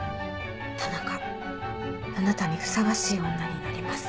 田中あなたにふさわしい女になります。